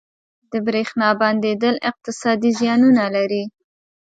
• د برېښنا بندیدل اقتصادي زیانونه لري.